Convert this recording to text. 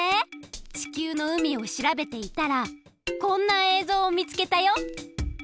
地球の海を調べていたらこんなえいぞうをみつけたよ。